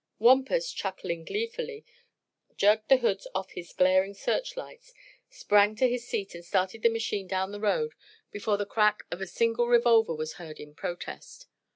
Wampus, chuckling gleefully, jerked the hoods off his glaring searchlights, sprang to his seat and started the machine down the road before the crack of a single revolver was heard in protest.